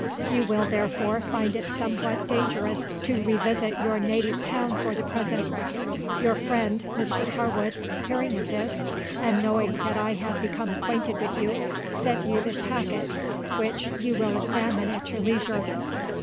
You will, therefore, find it somewhat dangerous to revisit your native town for the present. Your friend Mr Harwood hearing of this, and knowing that I had become acquainted with you, sent you this packet, which you will examine at your leisure.